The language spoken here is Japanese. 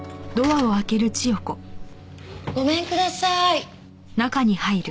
ごめんください。